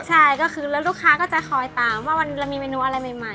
ใช่แล้วลูกค้าก็จะคอยตามว่าวันนี้เรามีเมนูอะไรใหม่